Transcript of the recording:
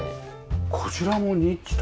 こちらもニッチだ。